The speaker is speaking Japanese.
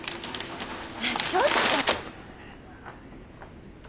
ちょっと！